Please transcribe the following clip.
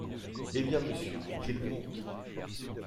Eh bien, monsieur, qu’ils montent.